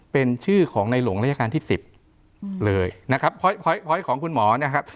เป็นชื่อของในหลวงราชการที่สิบเลยนะครับพ้อยของคุณหมอนะครับ